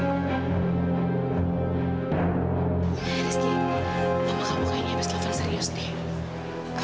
rizky kamu mau kayaknya berselamat serius deh